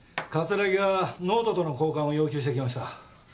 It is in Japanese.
葛城がノートとの交換を要求してきました。